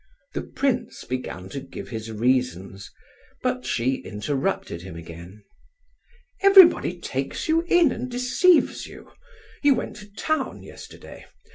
The prince began to give his reasons, but she interrupted him again. "Everybody takes you in and deceives you; you went to town yesterday.